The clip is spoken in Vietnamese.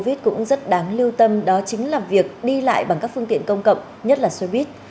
vít cũng rất đáng lưu tâm đó chính là việc đi lại bằng các phương tiện công cộng nhất là xe buýt